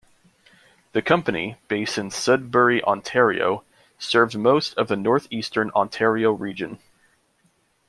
The company, based in Sudbury, Ontario, served most of the Northeastern Ontario region.